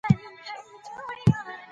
ایا هر څېړونکی باید خپل معلومات وارزوي؟